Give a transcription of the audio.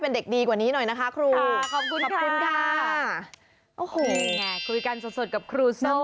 เป็นเด็กดีกว่านี้หน่อยนะคะครู